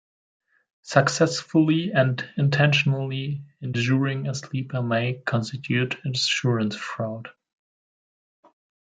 Successfully and intentionally insuring a sleeper may constitute insurance fraud.